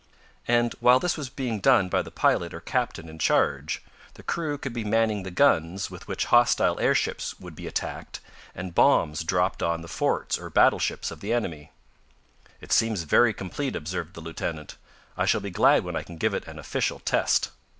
And, while this was being done by the pilot or captain in charge, the crew could be manning the guns with which hostile airships would be attacked, and bombs dropped on the forts or battleships of the enemy. "It seems very complete," observed the lieutenant. "I shall be glad when I can give it an official test."